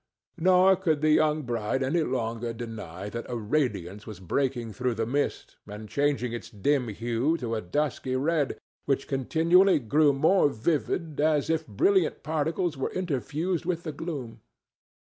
Nor could the young bride any longer deny that a radiance was breaking through the mist and changing its dim hue to a dusky red, which continually grew more vivid, as if brilliant particles were interfused with the gloom.